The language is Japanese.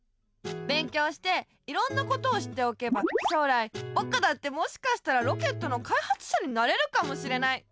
勉強していろんなことを知っておけば将来ぼくだってもしかしたらロケットのかいはつしゃになれるかもしれない。